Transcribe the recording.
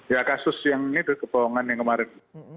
ya kasus yang ini kebohongan yang kemarin